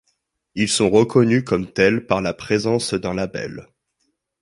Ils sont reconnus comme tels par la présence d'un label.